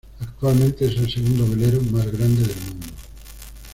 Actualmente es el segundo velero más grande del mundo.